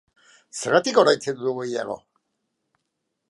Zergatik ordaintzen dugu gehiago?